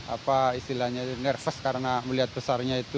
apa istilahnya nervous karena melihat besarnya itu